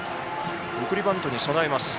送りバントに備えます。